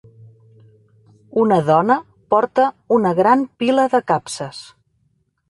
Una dona porta una gran pila de capses.